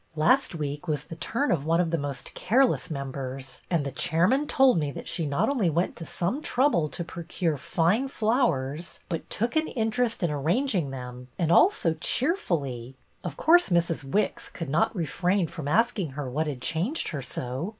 Last week was the turn of one of the most care less members, and the chairman told me that she not only went to some trouble to procure fine flowers but took an interest in arranging them, and all so cheerfully. Of course Mrs. Wicks could not refrain from asking her what had changed her so.